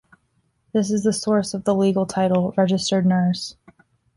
This is the source of the legal title "Registered Nurse".